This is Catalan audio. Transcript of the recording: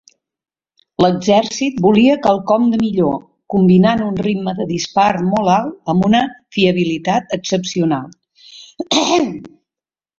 L'exèrcit volia quelcom de millor, combinant un ritme de dispar molt alt amb una fiabilitat excepcional.